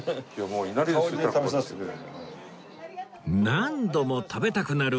何度も食べたくなる味